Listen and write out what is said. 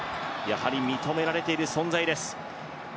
やはり認められている存在です。